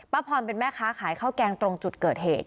พรเป็นแม่ค้าขายข้าวแกงตรงจุดเกิดเหตุ